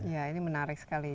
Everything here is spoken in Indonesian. ya ini menarik sekali